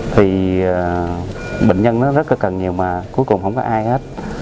thì bệnh nhân nó rất là cần nhiều mà cuối cùng không có ai hết